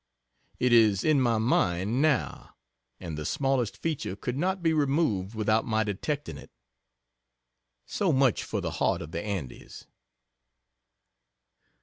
It is in my mind now and the smallest feature could not be removed without my detecting it. So much for the "Heart of the Andes."